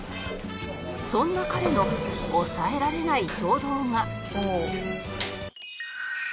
そんな彼の抑えられない衝動が